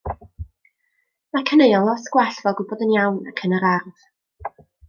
Mae caneuon lot gwell fel Gwybod yn Iawn ac Yn yr Ardd.